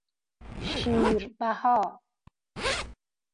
شیر بها